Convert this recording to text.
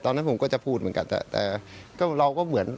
ตอนนั้นผมก็จะพูดเหมือนกันแต่ก็เราก็เหมือน